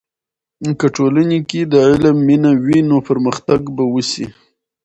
که ټولنې کې د علم مینه وي، نو پرمختګ به وسي.